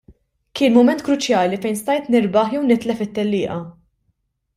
Kien mument kruċjali fejn stajt nirbaħ jew nitlef it-tellieqa.